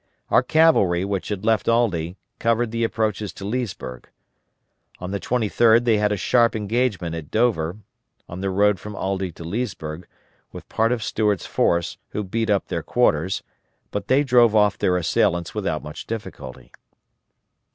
Our cavalry, which had left Aldie, covered the approaches to Leesburg. On the 23d they had a sharp engagement at Dover, on the road from Aldie to Leesburg, with part of Stuart's force, who beat up their quarters, but they drove off their assailants without much difficulty.